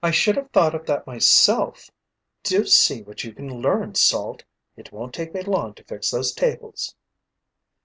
"I should have thought of that myself! Do see what you can learn, Salt. It won't take me long to fix those tables."